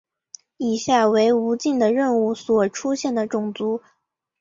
以下为无尽的任务所出现的种族。